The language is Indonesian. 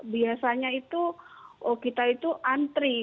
biasanya itu kita itu antri